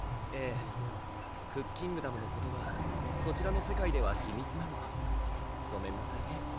ええクッキングダムのことはこちらの世界では秘密なのごめんなさいね